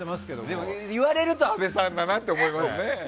でも、いわれると阿部さんだなって思いますね。